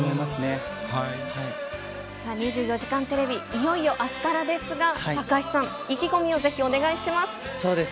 ２４時間テレビ、いよいよあすからですが、高橋さん、意気込みをぜひお願いします。